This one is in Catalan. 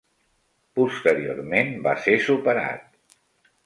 Posteriorment va ser superat.